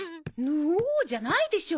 「ぬお！」じゃないでしょ。